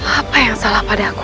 apa yang salah padaku